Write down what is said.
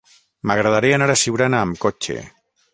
M'agradaria anar a Siurana amb cotxe.